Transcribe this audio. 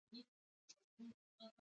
د سبسایډي سیستم هلته عام دی.